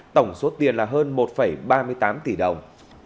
tổng số tiền là hơn một ba mươi tám tỷ đồng